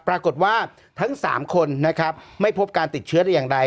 ปรากฏว่าทั้ง๓คนนะครับไม่พบการติดเชื้อแต่อย่างใด